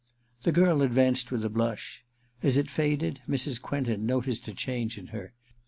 The girl advanced with a blush. As it faded, Mrs. Quentin noticed a change in her.